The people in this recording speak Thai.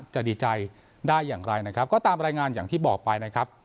จะดีใจได้อย่างไรนะครับก็ตามรายงานอย่างที่บอกไปนะครับ